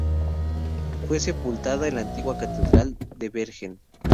Fue sepultada en la antigua catedral de Bergen.